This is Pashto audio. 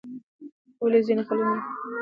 ولې ځینې لیکنې بې معنی ښکاري؟